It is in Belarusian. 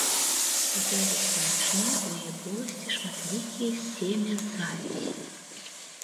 Завязь ніжняя, у яе поласці шматлікія семязавязі.